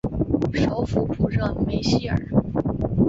首府普热梅希尔。